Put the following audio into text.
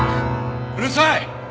うるさい！